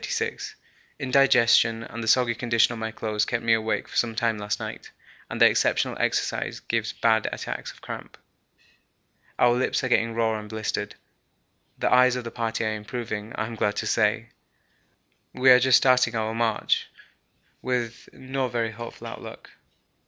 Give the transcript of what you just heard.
Indigestion and the soggy condition of my clothes kept me awake for some time last night, and the exceptional exercise gives bad attacks of cramp. Our lips are getting raw and blistered. The eyes of the party are improving, I am glad to say. We are just starting our march with no very hopeful outlook.